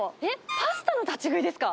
パスタの立ち食いですか。